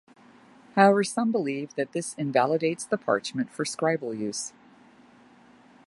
However, some believe that this invalidates the parchment for scribal use.